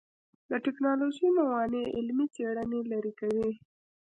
د ټکنالوژۍ موانع علمي څېړنې لرې کوي.